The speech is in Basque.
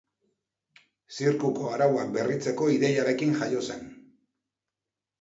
Zirkuko arauak berritzeko ideiarekin jaio zen.